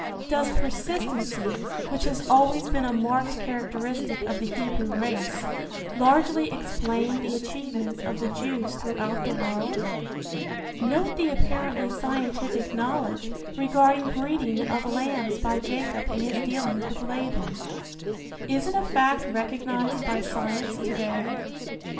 Does persistency, which has always been a marked characteristic of the Hebrew race, largely explain the achievements of the Jews throughout the world? Note the apparently scientific knowledge regarding breeding of lambs by Jacob in his dealings with Laban. Is it a fact recognized by science to day?